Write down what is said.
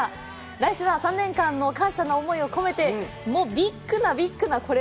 来週は３年間の感謝の思いを込めて、ビッグなビッグなコレ